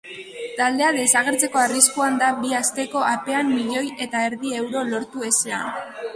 Taldea desagertzeko arriskuan da bi asteko apean milioi eta erdi euro lortu ezean.